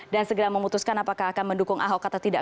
dan segera memutuskan apakah akan mendukung ahok atau tidak